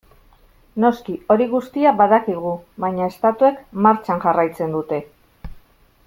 Noski hori guztia badakigu, baina estatuek martxan jarraitzen dute.